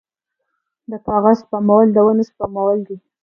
د کاغذ سپمول د ونو سپمول دي